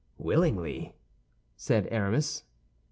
"Willingly," said Aramis.